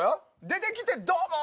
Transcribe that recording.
出て来てどうも！